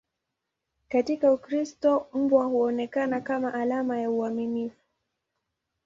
Katika Ukristo, mbwa huonekana kama alama ya uaminifu.